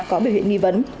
có biểu hiện nghi vấn